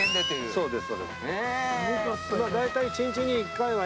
そうです